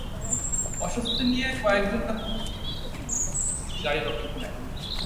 অস্বস্তি নিয়ে কয়েকজন নারী সেখানে নিরুপায় হয়ে দাঁড়িয়ে আছেন গাড়ির অপেক্ষায়।